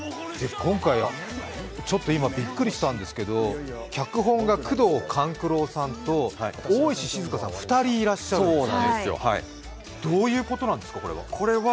今回はちょっと今びっくりしたんですけど、脚本が宮藤官九郎さんと大石静さん、２人いらっしゃる、どういうことなんですか、これは。